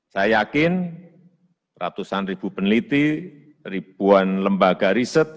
saya yakin ratusan ribu peneliti ribuan lembaga riset